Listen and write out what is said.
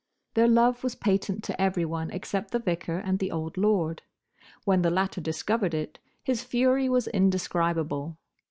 Their love was patent to everyone except the vicar and the old Lord. When the latter discovered it, his fury was indescribable.